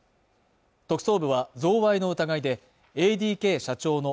特捜部は贈賄の疑いでＡＤＫ社長の